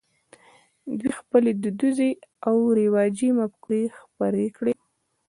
دوی خپلې دودیزې او رواجي مفکورې خپرې کړې.